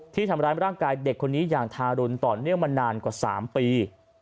ทำร้ายร่างกายเด็กคนนี้อย่างทารุณต่อเนื่องมานานกว่า๓ปี